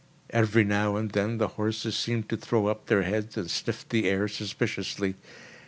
Every now and then the horses seemed to throw up their heads and sniffed the air suspiciously.